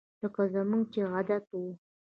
لکه زموږ چې عادت وو